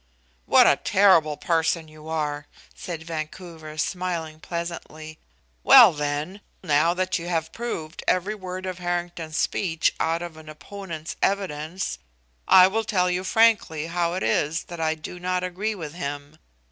"What a terrible person you are!" said Vancouver, smiling pleasantly. "Well, then, now that you have proved every word of Harrington's speech out of an opponent's evidence, I will tell you frankly how it is that I do not agree with him.